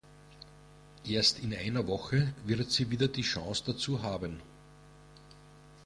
Erst in einer Woche wird sie wieder die Chance dazu haben.